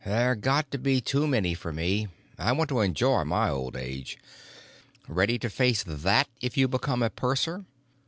There got to be too many for me; I want to enjoy my old age. "Ready to face that if you become a purser?